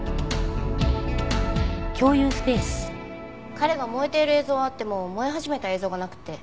彼が燃えている映像はあっても燃え始めた映像がなくって。